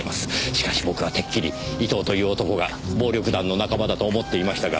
しかし僕はてっきり伊藤という男が暴力団の仲間だと思っていましたが。